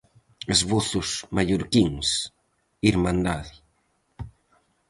"Esbozos mallorquíns", "Hirmandade!".